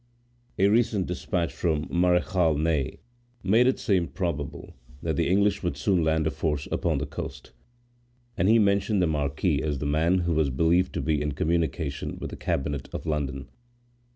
A recent despatch from Marechal Ney made it seem probable that the English would soon land a force upon the coast; and he mentioned the marquis as the man who was believed to be in communication with the cabinet of London.